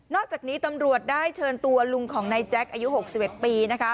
อกจากนี้ตำรวจได้เชิญตัวลุงของนายแจ๊คอายุ๖๑ปีนะคะ